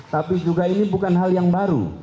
tapi juga ini bukan hal yang baru